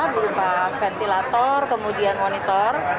berupa ventilator kemudian monitor